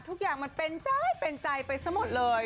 ทุกอย่างเป็นใจไปสมมติเลย